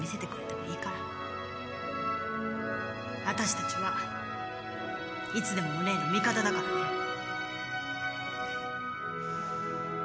私たちはいつでもお姉の味方だからね！